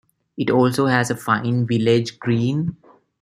It also has a fine village green.